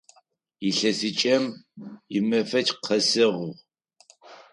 Илъэсыкӏэм имэфэкӏ къэсыгъ.